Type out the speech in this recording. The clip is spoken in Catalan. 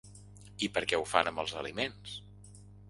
I per què ho fan amb els aliments?